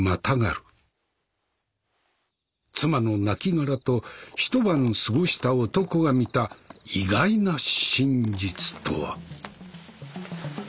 妻の亡骸と一晩過ごした男が見た意外な真実とは。